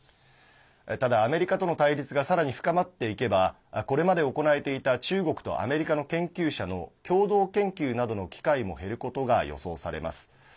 ただ、アメリカとの対立がさらに深まっていけばこれまで行えていた中国とアメリカの研究者の共同研究などの機会も減ることが予想されます。